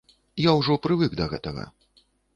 Я ўжо прывык да гэтага.